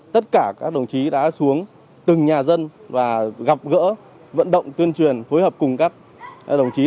tất cả các đồng chí đã xuống từng nhà dân và gặp gỡ vận động tuyên truyền phối hợp cùng các đồng chí